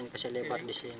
ini kasih lebar di sini